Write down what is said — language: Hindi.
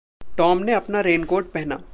टॉम ने अपना रेनकोट पहना।